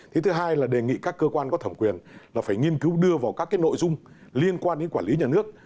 thứ hai là đề nghị các cơ quan có thẩm quyền là phải nghiên cứu đưa vào các nội dung liên quan đến quản lý nhà nước